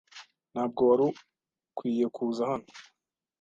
Ntabwo wari ukwiye kuza hano.